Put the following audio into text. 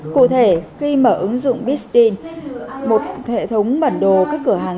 cụ thể khi mở ứng dụng busine một hệ thống bản đồ các cửa hàng